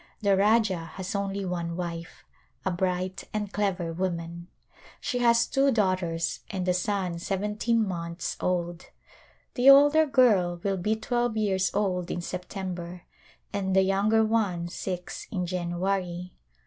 The Rajah has only one wife — a bright and clever woman. She has two daughters and a son seventeen months old. The older girl will be twelve years old in September and the younger one six in January.